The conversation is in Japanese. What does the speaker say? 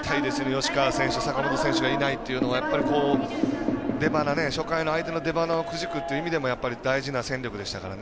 吉川選手、坂本選手がいないっていうのが初回の相手の出ばなをくじくという意味でも、大事な戦力でしたから。